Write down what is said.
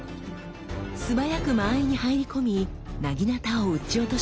素早く間合いに入り込み薙刀を打ち落とします。